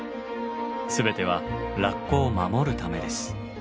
全てはラッコを守るためです。